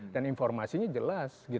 dan informasinya jelas